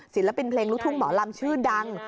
ศิลปินเพลงลูกทุ่งหมอลำชื่อดัง